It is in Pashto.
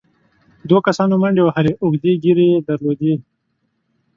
دوو کسانو منډې وهلې، اوږدې ږېرې يې درلودې،